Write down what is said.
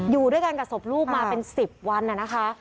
อยู่ด้วยกันกับศพลูกมาเป็น๑๐วันนะคะ